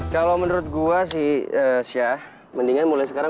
kalau menurut gue si eh sya